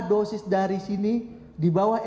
dosis dari sini di bawah